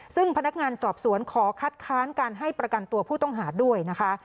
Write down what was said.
ซึ่งพนักงานสอบสวนขอคัดค้านการให้ประกันตัวผู้ต้องหาด้วยนะคะ